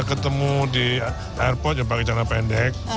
kita ketemu di airport pakai jalan pendek